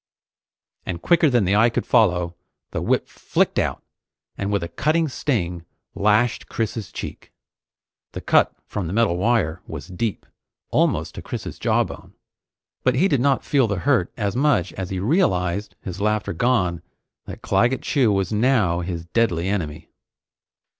And quicker than the eye could follow, the whip flicked out, and with a cutting sting, lashed Chris's cheek. The cut, from the metal wire, was deep, almost to Chris's jawbone; but he did not feel the hurt as much as he realized his laughter gone that Claggett Chew was now his deadly enemy.